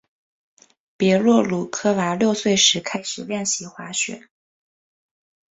别洛鲁科娃六岁时开始练习滑雪。